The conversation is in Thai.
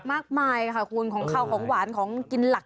มากมายค่ะคุณของข้าวของหวานของกินหลัก